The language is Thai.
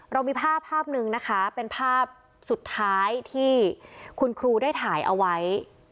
เรามีภาพภาพหนึ่งนะคะเป็นภาพสุดท้ายที่คุณครูได้ถ่ายเอาไว้